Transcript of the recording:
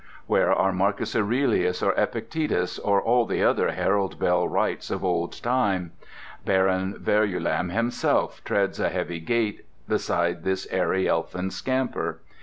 Where are Marcus Aurelius or Epictetus or all the other Harold Bell Wrights of old time? Baron Verulam himself treads a heavy gait beside this airy elfin scamper.